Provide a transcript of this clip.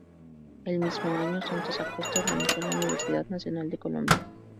El mismo año Santos Acosta organizó la Universidad Nacional de Colombia.